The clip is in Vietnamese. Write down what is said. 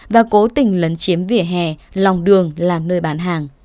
và cố tình lấn chiếm vỉa hè lòng đường làm nơi bán hàng